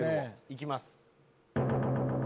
行きます。